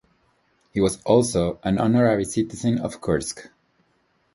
He was also an Honorary Citizen of Kursk.